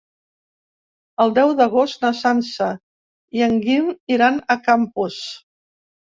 El deu d'agost na Sança i en Guim iran a Campos.